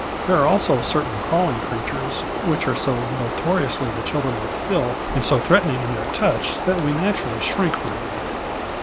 There are also certain crawling creatures which are so notoriously the children of filth and so threatening in their touch that we naturally shrink from them.